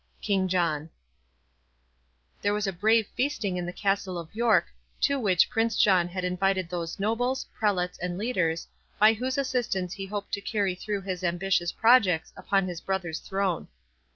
KING JOHN There was brave feasting in the Castle of York, to which Prince John had invited those nobles, prelates, and leaders, by whose assistance he hoped to carry through his ambitious projects upon his brother's throne.